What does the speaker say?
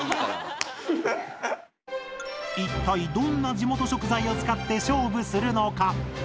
一体どんな地元食材を使って勝負するのか。